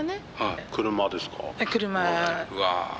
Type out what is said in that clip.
うわ。